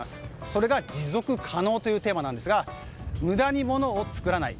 それが、持続可能というテーマなんですが無駄に物を作らない。